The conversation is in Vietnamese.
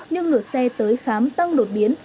nhưng lượt xe tới khám tăng đột biến